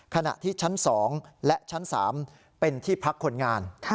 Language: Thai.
ขณะที่ชั้น๒และชั้น๓เป็นที่พักคนงาน